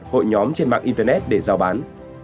hội nhóm trên mạng internet để giao bán